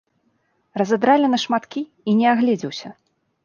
Разадралі на шматкі, і не агледзеўся.